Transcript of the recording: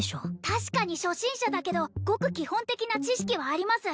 確かに初心者だけどごく基本的な知識はあります